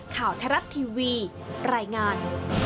ข่าวทรัพย์ทีวีรายงาน